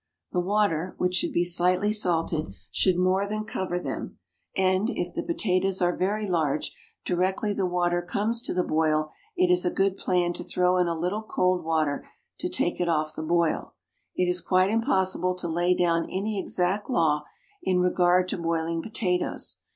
The water, which should be slightly salted, should more than cover them, and, if the potatoes are very large, directly the water comes to the boil it is a good plan to throw in a little cold water to take it off the boil. It is quite impossible to lay down any exact law in regard to boiling potatoes.